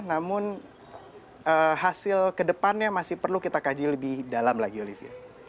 namun hasil kedepannya masih perlu kita kaji lebih dalam lagi olivia